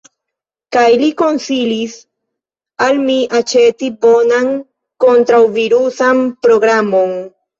Kaj li konsilis al mi aĉeti bonan kontraŭvirusan programon.